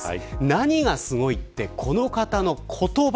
何がすごいって、この方の言葉。